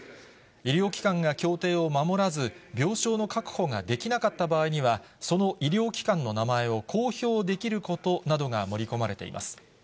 医療機関が協定を守らず、病床の確保ができなかった場合には、その医療機関の名前を公表できることなどが盛り込まれています。